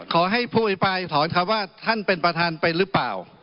ขอให้ผู้อภิปรายถอนคำว่าท่านเป็นประธานเป็นหรือเปล่า